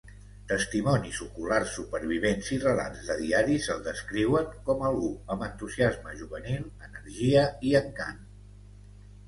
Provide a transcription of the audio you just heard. Testimonis oculars supervivents i relats de diaris el descriuen com algú amb entusiasme juvenil, energia i encant.